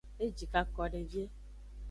Ejikako de vie.